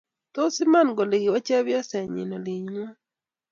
Tos iman kole kiwa cheptosenyi olingwai